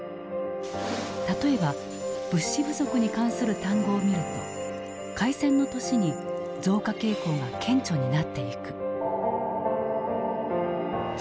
例えば物資不足に関する単語を見ると開戦の年に増加傾向が顕著になっていく。